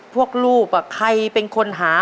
พวกลูกใครเป็นคนหา